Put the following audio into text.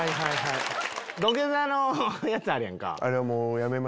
土下座のやつあるやんか。